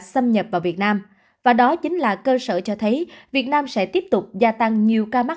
xâm nhập vào việt nam và đó chính là cơ sở cho thấy việt nam sẽ tiếp tục gia tăng nhiều ca mắc